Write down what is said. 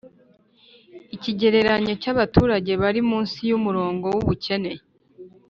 ikigereranyo cy'abaturage bari munsi y'umurongo w'ubukene